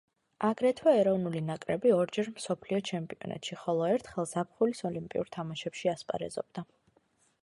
აგრეთვე ეროვნული ნაკრები ორჯერ მსოფლიო ჩემპიონატში, ხოლო ერთხელ ზაფხულის ოლიმპიურ თამაშებში ასპარეზობდა.